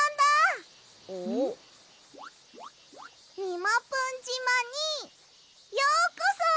みもぷんじまにようこそ！